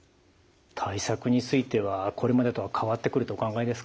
対策についてはこれまでとは変わってくるとお考えですか？